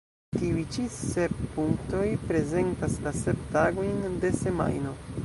Tiuj ĉi sep punktoj prezentas la sep tagojn de semajno.